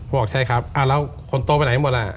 บอกใช่ครับแล้วคนโตไปไหนหมดล่ะ